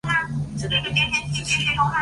以货到付款方式